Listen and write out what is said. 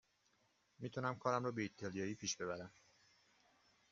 می تونم کارم را به ایتالیایی پیش ببرم.